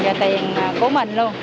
và tiền của mình luôn